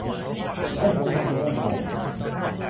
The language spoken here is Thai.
และหัวนมจะเริ่มโผล่